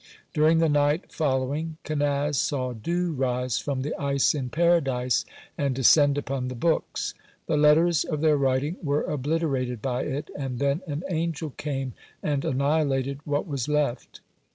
During the night following, Kenaz saw dew rise from the ice in Paradise and descend upon the books. The letters of their writing were obliterated by it, and then an angel came and annihilated what was left.